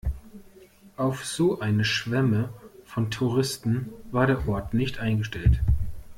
Auf so eine Schwemme von Touristen war der Ort nicht eingestellt.